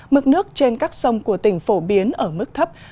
mực nước trên các sông của tỉnh phổ biến ở mức thấp